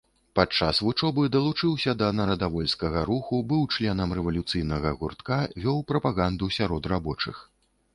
Падчас вучобы далучыўся да нарадавольскага руху, быў членам рэвалюцыйнага гуртка, вёў прапаганду сярод рабочых.